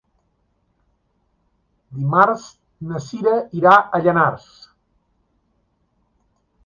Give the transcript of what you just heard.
Dimarts na Cira irà a Llanars.